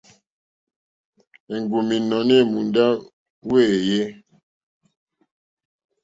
Èŋgúm ínɔ̀ní èmùndá wéèyé.